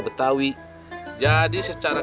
betawi jadi secara